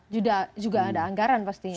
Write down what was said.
sudah juga ada anggaran pasti